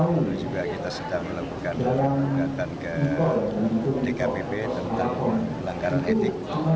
kita juga sedang melakukan gugatan ke tkpb tentang pelanggaran etik